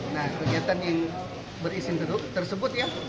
nah kegiatan yang berisin geruk tersebut ya